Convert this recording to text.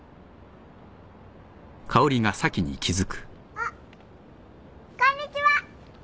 あっ！こんにちは